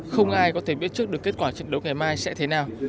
không ai có thể biết trước được kết quả trận đấu ngày mai sẽ thế nào